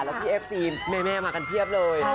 และพี่แฟคซีแม่มากันเทียบเลย